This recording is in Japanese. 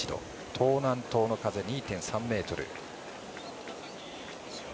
東南東の風２．３メートル。